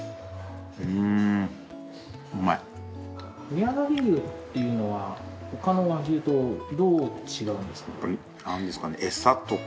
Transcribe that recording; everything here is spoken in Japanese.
宮崎牛っていうのは他の和牛とどう違うんですか？